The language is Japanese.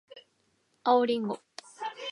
青りんご